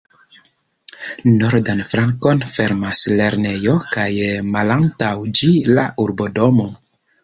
Nordan flankon fermas lernejo kaj malantaŭ ĝi la urbodomo.